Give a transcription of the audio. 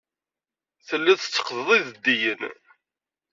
Tellid tetteqqded ideddiyen.